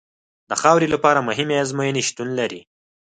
د خاورې لپاره مهمې ازموینې شتون لري